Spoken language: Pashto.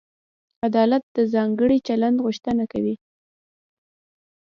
عدالت د ځانګړي چلند غوښتنه کوي.